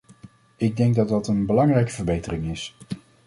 Ik denk dat dat een belangrijke verbetering is.